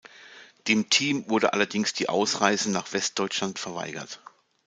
Dem Team wurde allerdings die Ausreise nach Westdeutschland verweigert.